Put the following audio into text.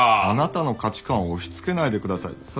あなたの価値観を押しつけないでください。